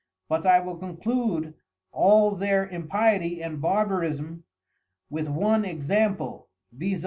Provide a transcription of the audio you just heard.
But I will conclude all their Impiety and Barbarisme with one Example, _viz.